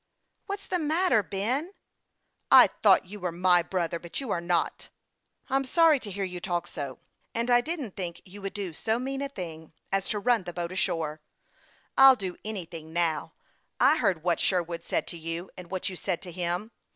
" What's the matter, Ben ?"" I thought you were my brother ; but you are not." " I'm sorry to hear you talk so ; and I didn't think you would do so mean a thing as to run the boat ashore." THE YOUNG PILOT OF LAKE CHAMPLAIX. 273 " I'll do anything now. I heard what Sherwood said to you, and what you said to him.